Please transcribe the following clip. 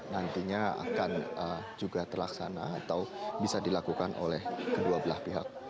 nantinya akan juga terlaksana atau bisa dilakukan oleh kedua belah pihak